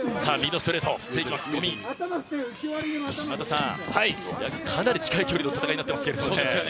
今田さん、かなり近い距離の戦いになっていますが。